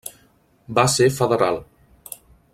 Va ser federal.